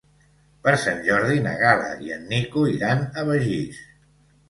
Per Sant Jordi na Gal·la i en Nico iran a Begís.